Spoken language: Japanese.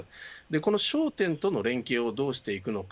この商店との連携をどうしていくのか。